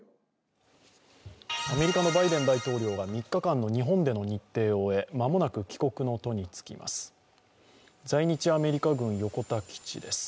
アメリカのバイデン大統領が３日間での日本での日程を終え間もなく帰国の途につきます。